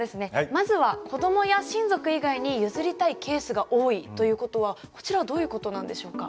まずは「子供や親族以外に譲りたいケースが多い」ということはこちらはどういうことなんでしょうか。